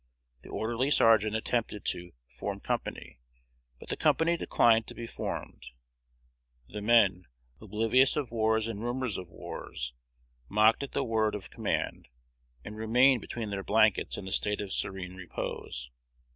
The orderly sergeant attempted to "form company," but the company declined to be formed; the men, oblivious of wars and rumors of wars, mocked at the word of command, and remained between their blankets in a state of serene repose.